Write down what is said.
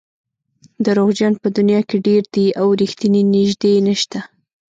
دروغجن په دنیا کې ډېر دي او رښتیني نژدې نشته.